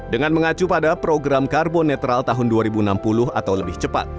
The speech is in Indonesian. dengan mengacu pada program karbon netral tahun dua ribu enam puluh atau lebih cepat